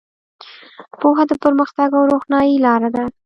پوهه د پرمختګ او روښنایۍ لاره ده.